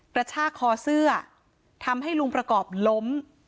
กระชากคอเสื้อทำให้ลุงประกอบล้ม